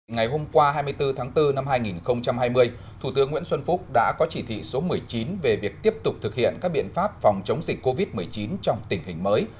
ngày hôm qua hai mươi bốn tháng bốn năm hai nghìn hai mươi thủ tướng nguyễn xuân phúc đã có chỉ thị số một mươi chín về việc tiếp tục thực hiện các biện pháp phòng chống dịch covid một mươi chín trong tình hình mới